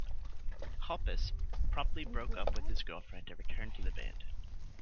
Hoppus promptly broke up with his girlfriend and returned to the band.